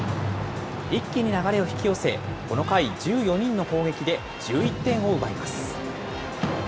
一気に流れを引き寄せ、この回、１４人の攻撃で１１点を奪います。